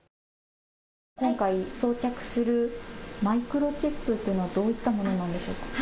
今回装着するマイクロチップというのはどういうものなんでしょうか。